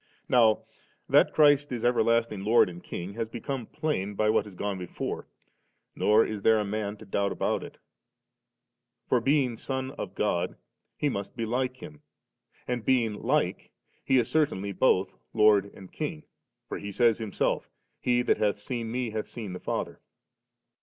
Now that Christ is everlasting Lord and King, has become plain by what has gone before^ nor is there a man to doubt about it ; for being Son of God, He must be like Him*, and being like, He is certainly bodi Lord and King, for He says Himself, 'He that hath seen Me, hath seen the Father.'